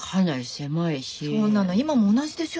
そんなの今も同じでしょ。